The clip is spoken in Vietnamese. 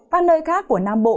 các nơi khác của nam bộ